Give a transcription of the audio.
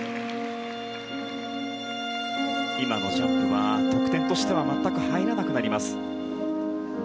今のジャンプは得点としては入らなくなります。